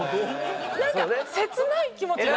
なんか切ない気持ちに。